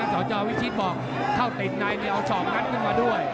สาวเจ้าวิชิตบอกเข้าติดในเอาศอกนั้นขึ้นมาด้วย